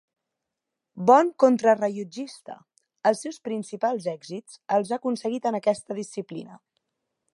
Bon contrarellotgista, els seus principals èxits els ha aconseguit en aquesta disciplina.